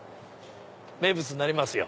名物になりますよ。